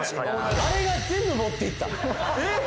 あれが全部持っていったえっ？